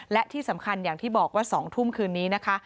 และที่สำคัญอย่างที่บอกว่า๒ทุ่มคืนนี้นะคะ